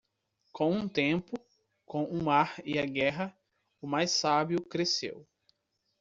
Com o tempo, com o mar e a guerra, o mais sábio cresceu.